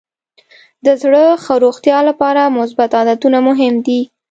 د زړه ښه روغتیا لپاره مثبت عادتونه مهم دي.